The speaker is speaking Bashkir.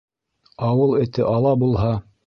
Ауыл эте ала булһа